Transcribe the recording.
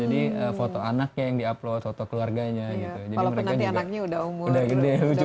jadi foto anaknya yang di upload foto keluarganya gitu